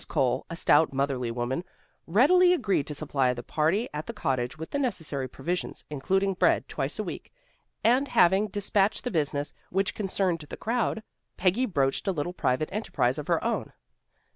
Cole, a stout, motherly woman, readily agreed to supply the party at the cottage with the necessary provisions, including bread, twice a week. And having dispatched the business which concerned the crowd, Peggy broached a little private enterprise of her own.